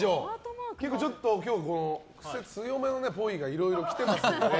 ちょっと今日、クセ強めのっぽいがいろいろ来ていますので。